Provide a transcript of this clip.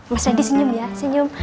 mas adi senyum ya senyum